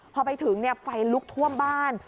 พอไปถึงไฟลุกท่วมบ้าน